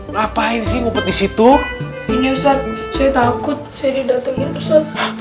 ngapain sih ngupet di situ ini saat saya takut saya didatengin pesawat